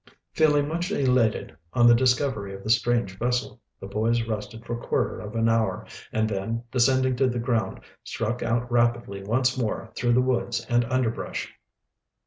Feeling much elated over the discovery of the strange vessel, the boys rested for quarter of an hour, and then, descending to the ground, struck out rapidly once more through the woods and underbrush.